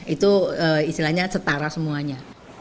itu istilahnya setara semuanya